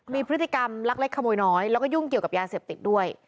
มีพฤติกรรมลักเล็กขโมยน้อยแล้วก็ยุ่งเกี่ยวกับยาเสพติดด้วย